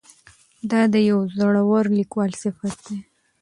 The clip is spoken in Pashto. دا د یوه زړور لیکوال صفت دی.